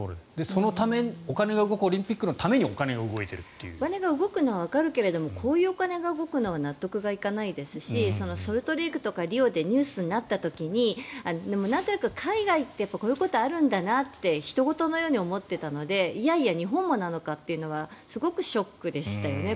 そのためお金が動くオリンピックのためにお金が動くのはわかるけどこういうお金が動くのは納得いかないですしソルトレークとかリオでニュースになった時になんとなく海外ってこういうことあるんだなってひと事のように思っていたんでいやいや日本もなのかっていうのはすごくショックでしたよね。